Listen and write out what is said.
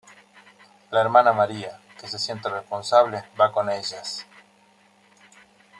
La hermana María, que se siente responsable, va con ellas.